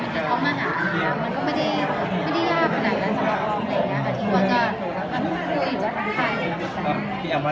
พี่เอ็มว่าไงบ้างกับทีนี้